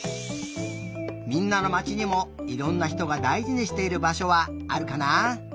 みんなのまちにもいろんなひとがだいじにしているばしょはあるかな？